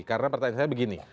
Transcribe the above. karena pertanyaan saya begini